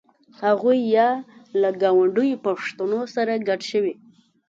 هغوی یا له ګاونډیو پښتنو سره ګډ شوي.